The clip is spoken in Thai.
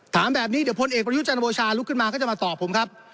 ถามแบบนี้เดี๋ยวพนตร์เอกปริศจานอโมชาลุกขึ้นมาก็จะมาตอบผมครับ